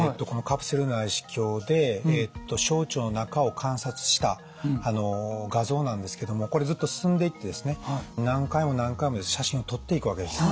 このカプセル内視鏡で小腸の中を観察した画像なんですけどもこれずっと進んでいってですね何回も何回も写真を撮っていくわけです。